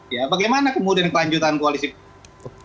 ya bagaimana kemudian kelanjutan koalisi perubahan